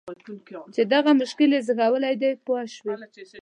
چې دغه مشکل یې زېږولی دی پوه شوې!.